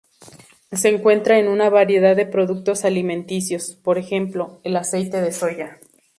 Se encuentra en una variedad de productos alimenticios, por ejemplo, el aceite de soja.